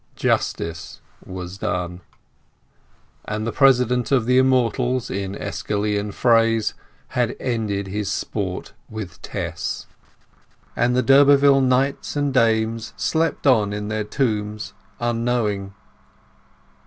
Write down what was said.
"Justice" was done, and the President of the Immortals, in Æschylean phrase, had ended his sport with Tess. And the d'Urberville knights and dames slept on in their tombs unknowing.